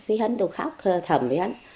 vì hắn tôi khóc thầm với hắn